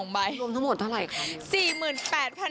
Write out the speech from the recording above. ใบรวมทั้งหมดเท่าไหร่คะ